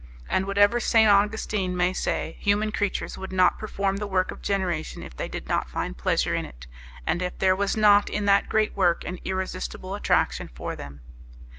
And, whatever St. Augustine may say, human creatures would not perform the work of generation if they did not find pleasure in it, and if there was not in that great work an irresistible attraction for them.